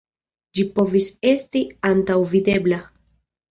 Ĝi povis esti antaŭvidebla.